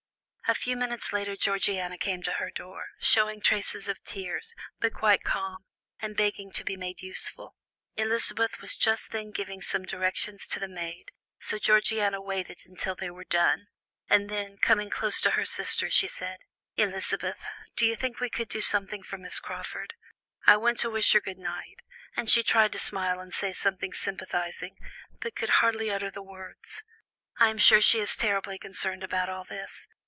A few minutes later Georgiana came to her door, showing traces of tears, but quite calm, and begging to be made useful. Elizabeth was just then giving some directions to the maid, so Georgiana waited until they were done, and then, coming close to her sister, she said: "Elizabeth, do you think we could do anything for Miss Crawford? I went to wish her good night, and she tried to smile and say something sympathizing, but could hardly utter the words. I am sure she is terribly concerned about all this.